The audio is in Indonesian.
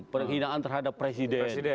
penghinaan terhadap presiden